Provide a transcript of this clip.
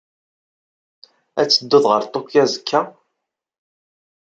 Ad tedduḍ ɣer Tokyo azekka?